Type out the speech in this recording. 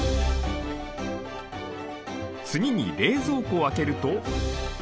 次に冷蔵庫を開けると。